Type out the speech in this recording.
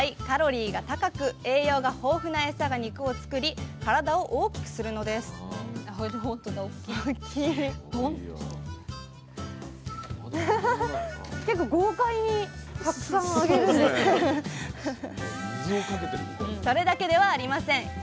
カロリーが高く栄養が豊富なエサが肉を作り体を大きくするのですそれだけではありません。